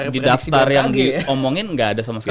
di daftar yang diomongin nggak ada sama sekali